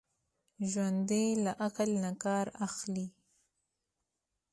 ژوندي له عقل نه کار اخلي